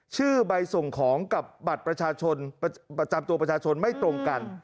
ชื่อใบส่งของกับบัตรประชาชนประจำตัวประชาชนไม่ตรงกัน